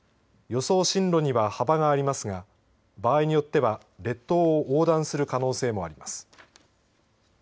予想進路には幅がありますが場合によっては列島を横断する可能性もあります。